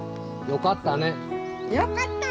よかった！